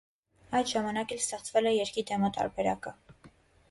Այդ ժամանակ էլ ստեղծվել է երգի դեմո տարբերակը։